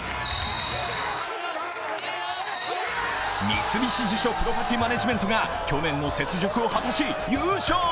三菱地所プロパティマネジメントが去年の雪辱を果たし、優勝。